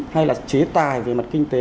hay là chế tài về mặt kinh tế